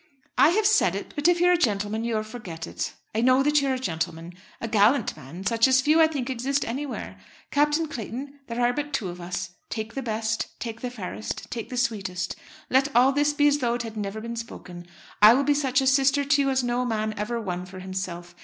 "I have said it; but if you are a gentleman you will forget it. I know that you are a gentleman, a gallant man, such as few I think exist anywhere. Captain Clayton, there are but two of us. Take the best; take the fairest; take the sweetest. Let all this be as though it had never been spoken. I will be such a sister to you as no man ever won for himself.